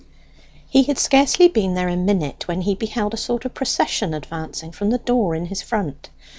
He had scarcely been there a minute when he beheld a sort of procession advancing from the door in his front.